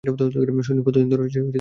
সৈনিক, কতদিন ধরে ভিয়েতনামে আছো?